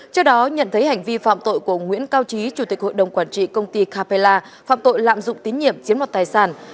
trước đó nhận thấy hành vi phạm tội của nguyễn cao trí chủ tịch hội đồng quản trị công ty capella phạm tội lạm dụng tín nhiệm chiếm mọt tài sản